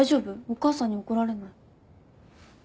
お母さんに怒られない？